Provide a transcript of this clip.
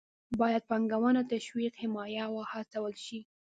باید پانګونه تشویق، حمایه او وهڅول شي.